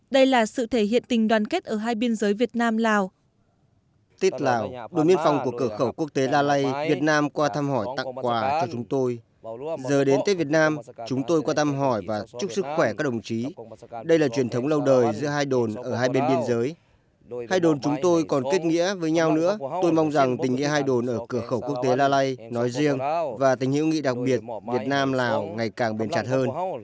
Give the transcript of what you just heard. đây là sự thể hiện tình đoàn kết ở hai biên giới việt nam lào